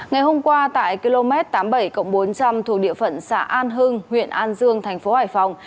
ngày hôm qua tại km tám mươi bảy bốn trăm linh thuộc địa phận xã an hưng huyện an dương thành phố hải phòng